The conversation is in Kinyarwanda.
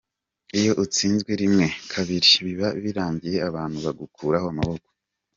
Iyo utsinzwe rimwe, kabiri, biba birangiye abantu bagukuraho amaboko.